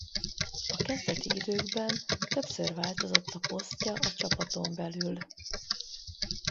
A kezdeti időkben többször változott a posztja a csapaton belül.